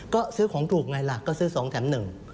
ก็ซื้อของถูกไงล่ะก็ซื้อ๒แถมหนึ่ง